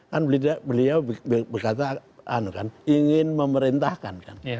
kan beliau berkata ingin memerintahkan kan